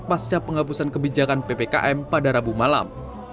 pasca penghapusan kebijakan ppkm pada rabu malam